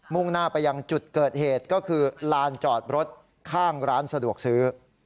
่งหน้าไปยังจุดเกิดเหตุก็คือลานจอดรถข้างร้านสะดวกซื้อ